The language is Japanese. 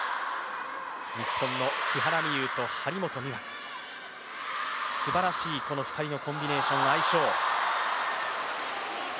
日本の木原美悠と張本美和、すばらしいこの２人のコンビネーション、相性。